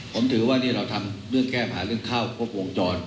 ผมถือว่านี่เราทำเรื่องแก้ปัญหาเรื่องข้าวครบวงจร